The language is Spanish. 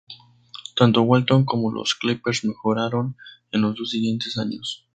Tanto Walton como los Clippers mejoraron en los dos siguientes años.